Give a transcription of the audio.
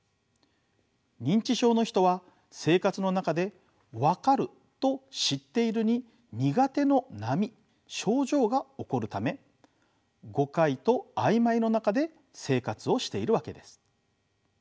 認知症の人は生活の中でわかると知っているに苦手の波症状が起こるため誤解と曖昧の中で生活をしているわけです。